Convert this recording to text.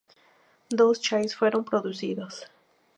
Dos chasis fueron producidos.